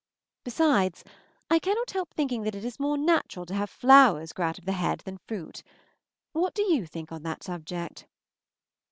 Besides, I cannot help thinking that it is more natural to have flowers grow out of the head than fruit. What do you think on that subject?